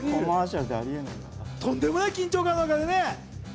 とんでもない緊張感の中でね。